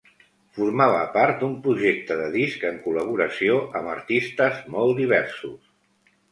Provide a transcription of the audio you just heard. Formava part d'un projecte de disc en col·laboració amb artistes molt diversos.